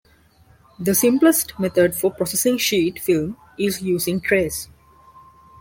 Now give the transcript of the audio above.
The simplest method for processing sheet film is using trays.